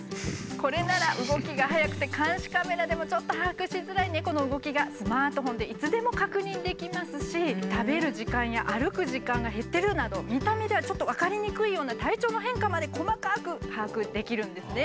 これなら動きが速くて監視カメラでもちょっと把握しづらい猫の動きがスマートフォンでいつでも確認できますし食べる時間や歩く時間が減ってるなど見た目ではちょっと分かりにくいような体調の変化まで細かく把握できるんですね。